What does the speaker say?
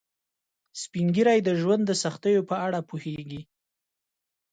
سپین ږیری د ژوند د سختیو په اړه پوهیږي